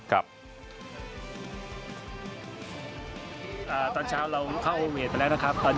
ครับอ่าตอนเช้าเราเข้าไปแล้วนะครับ